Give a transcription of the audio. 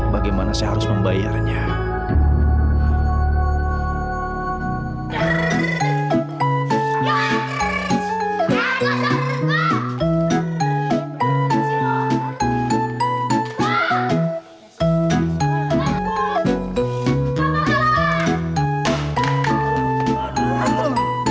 bagaimana saya harus membayarnya